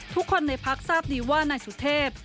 ทุกคนในพักทราบดีว่านายสุเทพ